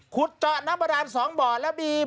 ขุดเจาะน้ำประดาน๒บ่อ